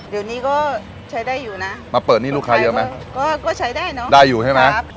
เดี๋ยวนี้ก็ใช้ได้อยู่นะมาเปิดนี่ลูกค้าเยอะไหมก็ก็ใช้ได้เนอะได้อยู่ใช่ไหมครับ